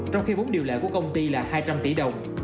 trong khi vốn điều lệ của công ty là hai trăm linh tỷ đồng